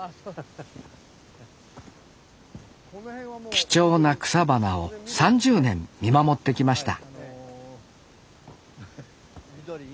貴重な草花を３０年見守ってきました